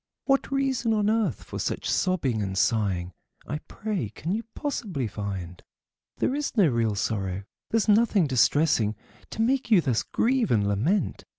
What reason on earth for such sobbing and sighing, I pray, can you possibly find? There is no real sorrow, there's nothing distressing, To make you thus grieve and lament.